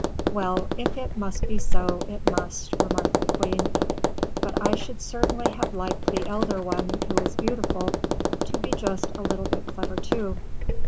"Well, if it must be so, it must," remarked the Queen, "but I should certainly have liked the elder one, who is beautiful, to be just a little bit clever too."